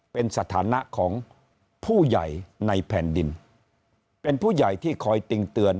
เป็นสถานะของผู้ใหญ่ในแผ่นดินเป็นผู้ใหญ่ที่คอยติงเตือน